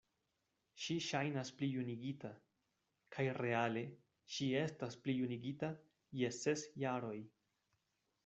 Ŝi ŝajnas plijunigita; kaj reale ŝi estas plijunigita je ses jaroj.